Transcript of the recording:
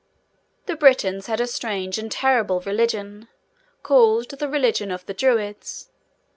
The Britons had a strange and terrible religion, called the Religion of the Druids.